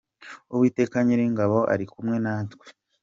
Uwiteka Nyiringabo ari kumwe natwe